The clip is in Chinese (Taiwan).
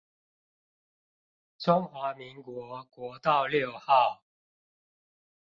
中華民國國道六號